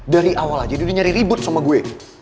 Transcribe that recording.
dari awal aja dia nyari ribut sama gue